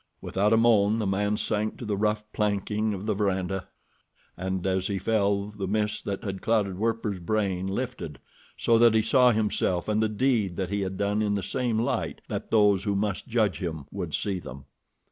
Without a moan the man sank to the rough planking of the veranda, and as he fell the mists that had clouded Werper's brain lifted, so that he saw himself and the deed that he had done in the same light that those who must judge him would see them.